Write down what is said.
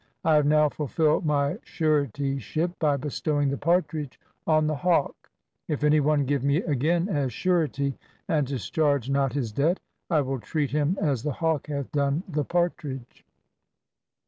I have now fulfilled my suretyship by bestowing the partridge on the hawk. If any one give me again as surety and discharge not his debt, I will treat him as the hawk hath done the partridge.'